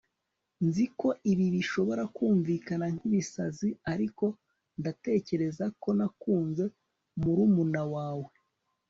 Nzi ko ibi bishobora kumvikana nkibisazi ariko ndatekereza ko nakunze murumuna wawe